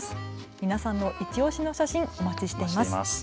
皆さんのいちオシの写真お待ちしています。